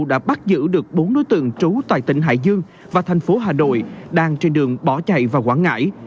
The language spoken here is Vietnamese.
đã bắt giữ được bốn đối tượng trú tại tỉnh hải dương và thành phố hà nội đang trên đường bỏ chạy vào quảng ngãi